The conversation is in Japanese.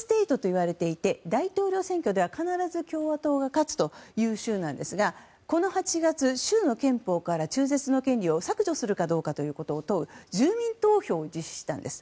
大統領選では必ず共和党が勝つという州なんですがこの８月、州の憲法から中絶の権利を削除するかどうかを問う住民投票を実施したんです。